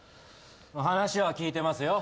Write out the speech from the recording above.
話は聞いてますよ。